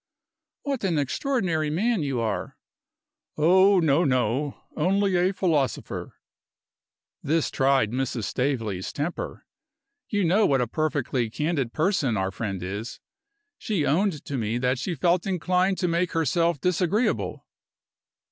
"What an extraordinary man you are!" "Oh, no, no only a philosopher." This tried Mrs. Staveley's temper. You know what a perfectly candid person our friend is. She owned to me that she felt inclined to make herself disagreeable.